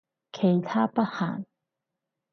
其他不限